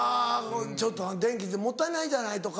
「ちょっと電気もったいないじゃない」とか。